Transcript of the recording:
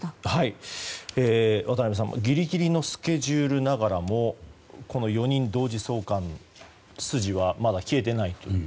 渡辺さんギリギリのスケジュールながらもこの４人同時送還の道筋はまだ消えていないと。